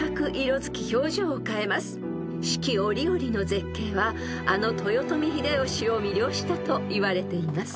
［四季折々の絶景はあの豊臣秀吉を魅了したといわれています］